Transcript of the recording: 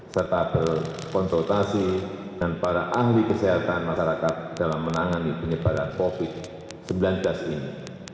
serta berkonsultasi dengan para ahli kesehatan masyarakat dalam menangani penyebaran covid sembilan belas ini